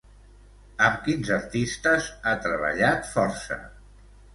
Amb quins artistes ha treballat força?